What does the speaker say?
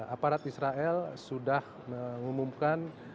aparat israel sudah mengumumkan